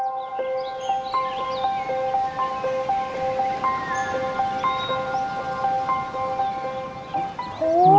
นั่นไงคะเกาะทวมาตรใน